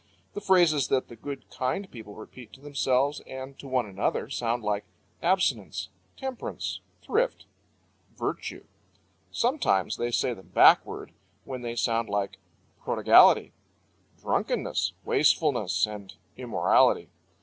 The phrases that the good, kind people repeat to themselves and to one another sound like "abstinence," "temperance," "thrift," "virtue." Sometimes they say them backward, when they sound like "prodigality," "drunkenness," "wastefulness," and "immorality."